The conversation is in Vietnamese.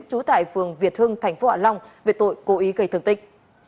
trú tại phường việt hưng tp hcm về tội cố ý gây thương tích